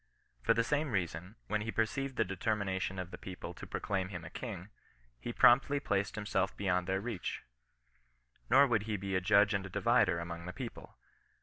For the same reason, when he perceived the determination of the peo ple to proclaim him a king, he promptly placed himself beyond their reach. Nor would he be a " judge and a divider," among the people.